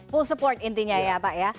pool support intinya ya pak ya